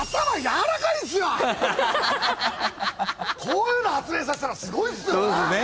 「こういうの発明させたらすごいっすよね！」